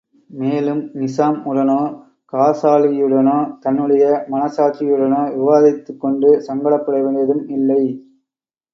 மேலும், நிசாம் உடனோ, காசாலியுடனோ, தன்னுடைய மனசாட்சியுடனோ விவாதித்துக் கொண்டு சங்கடப்பட வேண்டியதும் இல்லை.